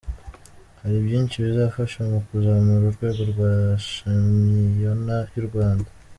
Hari byinshi bizafasha mu kuzamura urwego rwa shamyiyona y’u Rwanda.